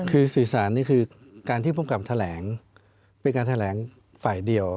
คือสื่อสารนี่คือการที่ภูมิกับแถลงเป็นการแถลงฝ่ายเดียว